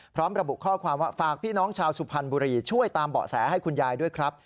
พร้อมระบุข้อความว่าฝากพี่น้องชาวสุพรรณบุรีช่วยตามเบาะแสให้คุณยายด้วยครับ